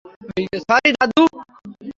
Sorry, দাদু!